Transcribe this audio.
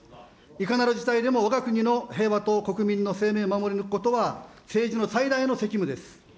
いかなる事態でもわが国の平和と国民の生命を守り抜くことは、政治の最大の責務です。